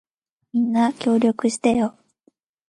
みんな、協力してよ。